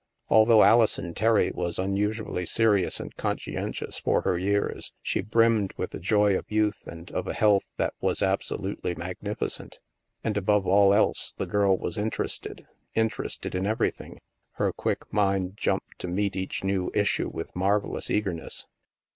Although Alison Terry was unusually serious and conscientious for her years, she brimmed with the joy of youth and of a health that was absolutely magnificent. And above all else, the girl was interested — interested in everything. Her quick mind jumped to meet each new issue with marvellous eagerness.